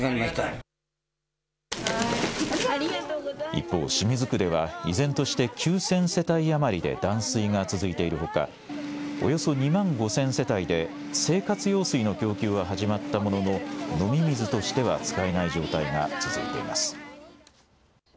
一方、清水区では依然として９０００世帯余りで断水が続いているほかおよそ２万５０００世帯で生活用水の供給は始まったものの飲み水としては使えない状態が続いています。